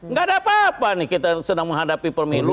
nggak ada apa apa nih kita sedang menghadapi pemilu